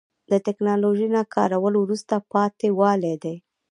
د تکنالوژۍ نه کارول وروسته پاتې والی دی.